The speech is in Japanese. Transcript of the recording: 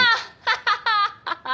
ハハハハ。